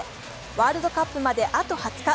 ワールドカップまであと２０日。